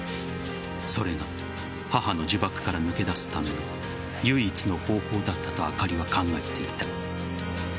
それが母の呪縛から抜け出すための唯一の方法だったとあかりは考えていた。